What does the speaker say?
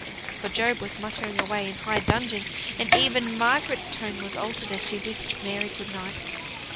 For Job was muttering away in high dudgeon, and even Margaret's tone was altered as she wished Mary good night.